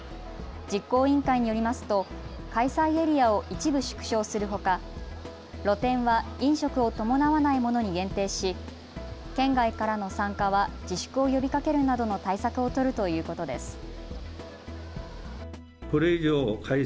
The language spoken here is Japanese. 実行委員会によりますと開催エリアを一部、縮小するほか露店は飲食を伴わないものに限定し県外からの参加は自粛を呼びかけるなどの対策を取るということです。